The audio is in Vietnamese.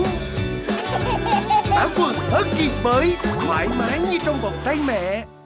tạ quân herkis mới thoải mái như trong vòng tay mẹ